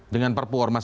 dengan perpu ormas